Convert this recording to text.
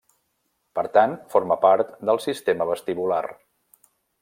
Per tant forma part del sistema vestibular.